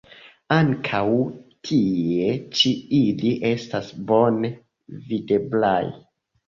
Ankaŭ tie ĉi ili estas bone videblaj.